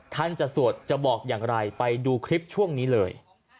ท่านจะสวดจะบอกอย่างไรไปดูคลิปช่วงนี้เลย